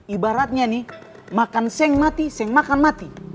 ibaratnya nih makan seng mati seng makan mati